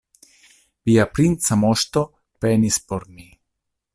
Via princa moŝto penis por mi.